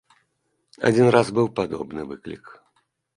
Адзін раз быў падобны выклік.